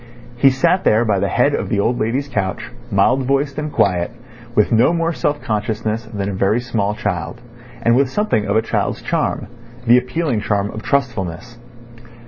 He sat there by the head of the old lady's couch, mild voiced and quiet, with no more self consciousness than a very small child, and with something of a child's charm—the appealing charm of trustfulness.